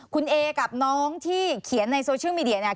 คุณเอกับน้องที่เขียนในโซเชียลมีเดียเนี่ย